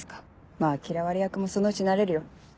まぁ嫌われ役もそのうち慣れるよ。